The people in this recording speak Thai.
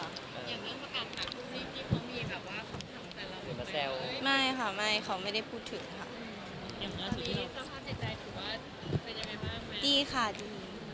อย่างิ่งเหอพระอาทิตย์ที่เค้ามีแบบว่าเขากำหนดแต่เราได้รักไหม